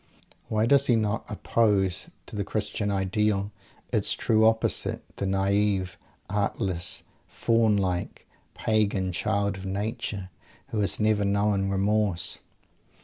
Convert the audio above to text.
Why does he not oppose, to the Christian Ideal, its true opposite the naive, artless, faun like, pagan "child of Nature," who has never known "remorse"?